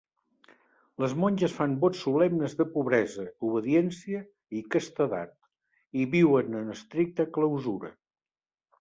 Les monges fan vots solemnes de pobresa, obediència i castedat, i viuen en estricta clausura.